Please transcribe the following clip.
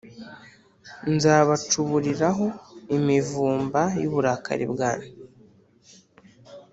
nzabacuburiraho imivumba y’uburakari bwanjye.